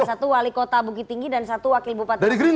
satu wali kota bukit tinggi dan satu wakil bupat teguh ketulatan